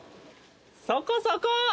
そこそこ！